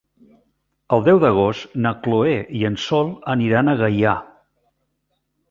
El deu d'agost na Chloé i en Sol aniran a Gaià.